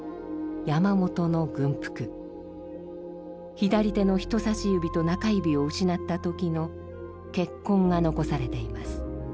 左手の人さし指と中指を失った時の血痕が残されています。